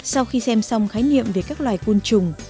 sau khi xem xong khái niệm về các loài côn trùng